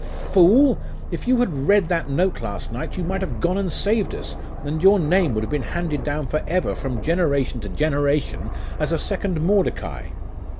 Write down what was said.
'Fool! if you had read that note last night, you might have gone and saved us, and your name would have been handed down for ever from generation to generation as a second Mordecai.